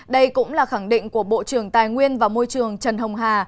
đây cũng là khẳng định của bộ trưởng tài nguyên và môi trường trần hồng hà